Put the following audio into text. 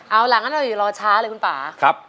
เอาละถ้าอยู่รอช้าเลยคุณป่า